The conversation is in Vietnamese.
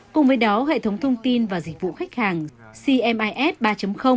cùng với đó hệ thống thông tin và dịch vụ khách hàng cmis ba